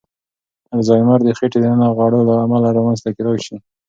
الزایمر د خېټې دننه غوړو له امله رامنځ ته کېدای شي.